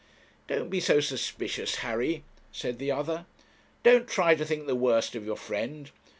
'Don't be so suspicious, Harry,' said the other 'don't try to think the worst of your friend.